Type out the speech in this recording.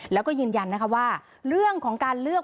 แล้วก็ยืนยันนะคะว่าเรื่องของการเลือก